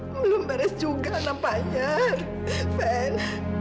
belum beres juga nampaknya kan